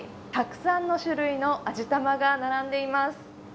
たくさんの種類の味玉が並んでいます。